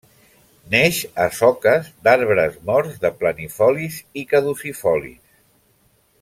Neix a soques d'arbres morts de planifolis i caducifolis.